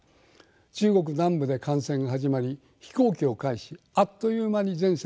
中国南部で感染が始まり飛行機を介しあっという間に全世界に広がりました。